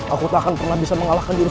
aku tak akan pernah bisa mengalahkan dirimu